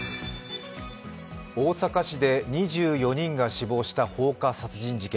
大阪市で２４人が死亡した放火殺人事件。